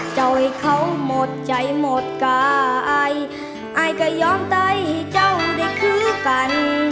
เจ้าให้เขาหมดใจหมดกายอายอายก็ยอมใจให้เจ้าได้คือกัน